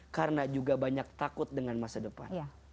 karena juga banyak takut dengan masa depan